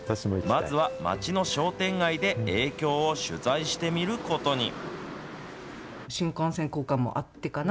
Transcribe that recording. まずは町の商店街で影響を取材してみることに。